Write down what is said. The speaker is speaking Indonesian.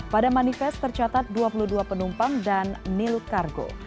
pada manifest tercatat dua puluh dua penumpang dan nilut kargo